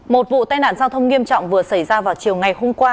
một vụ tai nạn giao thông nghiêm trọng vừa xảy ra vào chiều ngày hôm qua